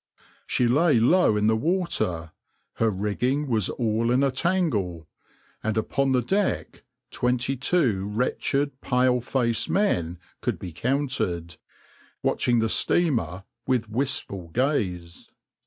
She lay low in the water, her rigging was all in a tangle, and upon the deck twenty two wretched, pale faced men could be counted, watching the steamer with wistful gaze.